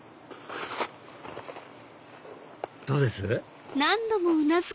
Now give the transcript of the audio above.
どうです？